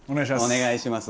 お願いします。